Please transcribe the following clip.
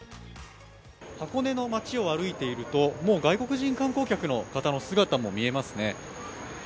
箱根の街を歩いていると、もう外国人観光客の姿も見えますね。